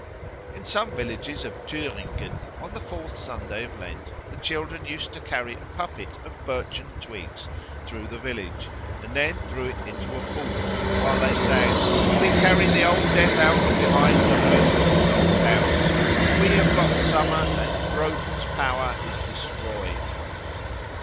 In some villages of Thüringen, on the fourth Sunday of Lent, the children used to carry a puppet of birchen twigs through the village, and then threw it into a pool, while they sang, "We carry the old Death out behind the herdman's old house; we have got Summer, and Kroden's (?) power is destroyed."